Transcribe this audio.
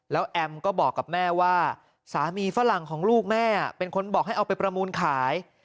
แล้วแอมก็บอกกับแม่ว่าสามีฝรั่งของลูกแม่เป็นคนบอกให้เอาไปประมูลขาย